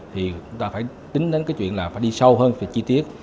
thì chúng ta phải tính đến cái chuyện là phải đi sâu hơn về chi tiết